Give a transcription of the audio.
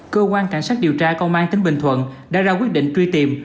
cơ quan cảnh sát điều tra công an tỉnh bình thuận đã ra quyết định truy tìm